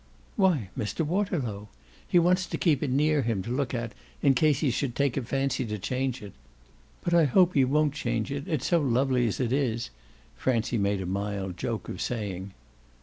"Why Mr. Waterlow. He wants to keep it near him to look at it in case he should take a fancy to change it. But I hope he won't change it it's so lovely as it is!" Francie made a mild joke of saying.